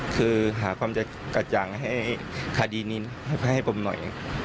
คือหาความกระจ่างให้คดีนี้ให้ผมหน่อย